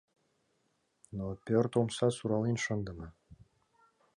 Но пӧрт омса сурален шындыме.